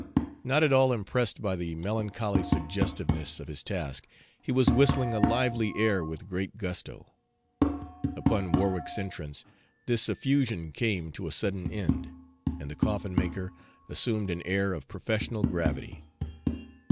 Not at all impressed by the melancholy suggestiveness of his task, he was whistling a lively air with great gusto. Upon Warwick's entrance this effusion came to a sudden end, and the coffin maker assumed an air of professional gravity.